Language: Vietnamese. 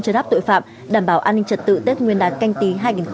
chấn áp tội phạm đảm bảo an ninh trật tự tết nguyên đán canh tí hai nghìn hai mươi